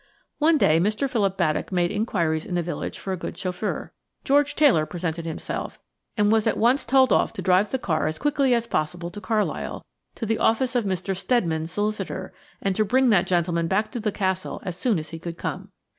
One day Mr. Philip Baddock made inquiries in the village for a good chauffeur. George Taylor presented himself, and was at once told off to drive the car as quickly as possible to Carlisle, to the office of Mr. Steadman, solicitor, and to bring that gentleman back to the Castle as soon as he could come.